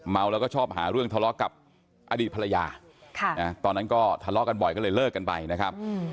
แล้วก็ชอบหาเรื่องทะเลาะกับอดีตภรรยาตอนนั้นก็ทะเลาะกันบ่อยก็เลยเลิกกันไปนะครับ